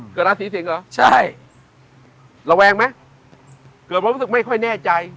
เกือบราชศรีสิงห์เหรอระแวงไหมเกือบรู้สึกไม่ค่อยแน่ใจ